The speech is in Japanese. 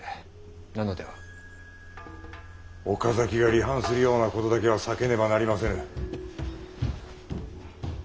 岡崎が離反するようなことだけは避けねばなりませぬ。